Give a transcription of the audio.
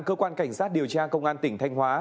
cơ quan cảnh sát điều tra công an tỉnh thanh hóa